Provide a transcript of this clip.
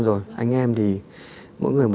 công an thì bây giờ